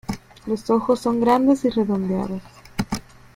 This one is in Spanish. Los ojos son grandes y redondeados.